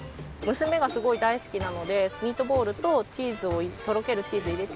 娘がすごい大好きなのでミートボールとチーズを。